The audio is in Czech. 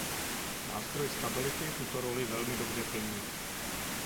Nástroj stability tuto roli velmi dobře plní.